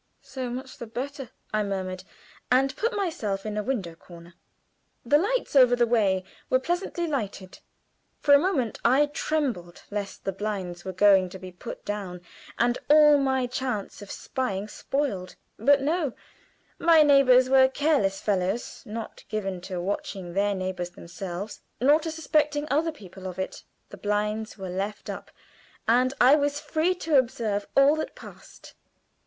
"So much the better!" I murmured, and put myself in a window corner. The lights over the way were presently lighted. For a moment I trembled lest the blinds were going to be put down, and all my chance of spying spoiled. But no; my neighbors were careless fellows not given to watching their neighbors themselves nor to suspecting other people of it. The blinds were left up, and I was free to observe all that passed.